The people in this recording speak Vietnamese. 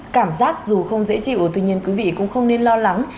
cảm giác dù không dễ chịu tuy nhiên quý vị cũng không nên lo lắng